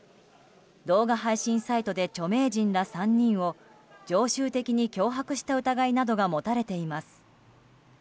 動画配信サイトで著名人ら３人を常習的に脅迫した疑いなどが持たれています。